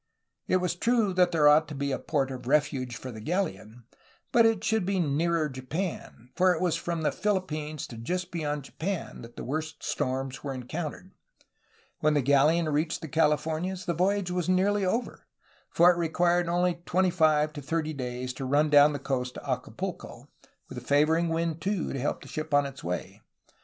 It was true that there ought to be a port of refuge for the galleon, but it should be nearer Japan, for it was from the Philippines to just beyond Japan that the worst storms were encountered; when the galleon reached the Calif ornias, the voyage was nearly over, for it required only twenty five to thirty days to run down the coast to Acapulco, with a favoring wind, too, to help the ship on its way.